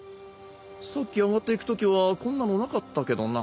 さっき上がっていくときはこんなのなかったけどな。